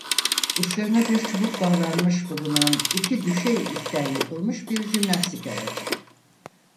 Uçlarına bir çubuk bağlanmış bulunan iki düşey ipten yapılmış bir jimnastik aracı.